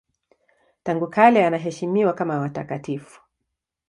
Tangu kale anaheshimiwa kama watakatifu.